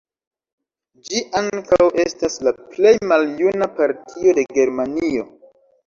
Ĝi ankaŭ estas la plej maljuna partio de Germanio.